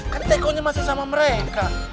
kan tekonya masih sama mereka